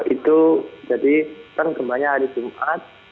itu jadi kan kembali hari jumat